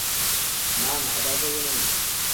না, না, এটা অপ্রয়োজনীয় না!